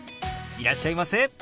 いらっしゃいませ。